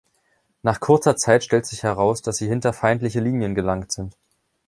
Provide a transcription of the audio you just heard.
Nach kurzer Zeit stellt sich heraus, dass sie hinter feindliche Linien gelangt sind.